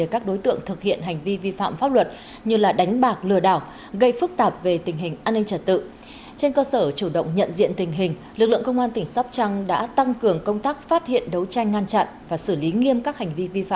các đối tượng đều có tiền án về tội trộm các tài sản